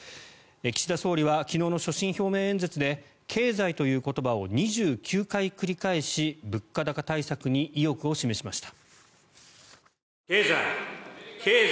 岸田総理は昨日の所信表明演説で経済という言葉を２９回繰り返し物価高対策に意欲を示しました。